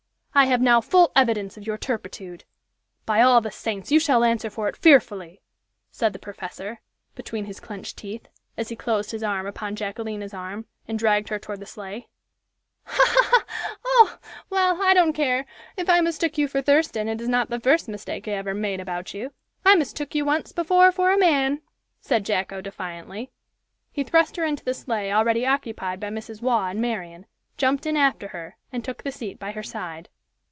I have now full evidence of your turpitude. By all the saints! you shall answer for it fearfully," said the professor, between his clenched teeth, as he closed his arm upon Jacquelina's arm and dragged her toward the sleigh. "Ha! ha! ha! Oh! well, I don't care! If I mistook you for Thurston, it is not the first mistake I ever made about you. I mistook you once before for a man!" said Jacko, defiantly. He thrust her into the sleigh already occupied by Mrs. Waugh and Marian, jumped in after her, and took the seat by her side.